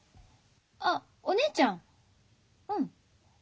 あお姉ちゃんうん。